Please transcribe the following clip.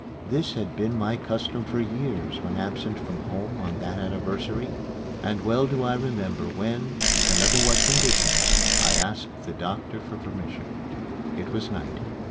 This had been my custom for years when absent from home on that anniversary. And well do I remember when, and under what conditions, I asked the doctor for permission. It was night.